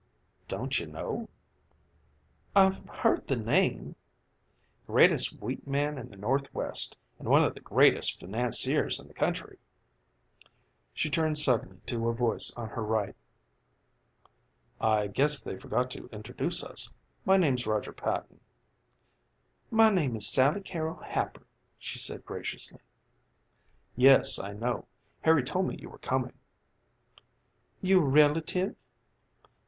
"Don't you know?" "I've heard the name." "Greatest wheat man in the Northwest, and one of the greatest financiers in the country." She turned suddenly to a voice on her right. "I guess they forget to introduce us. My name's Roger Patton." "My name is Sally Carrol Happer," she said graciously. "Yes, I know. Harry told me you were coming." "You a relative?"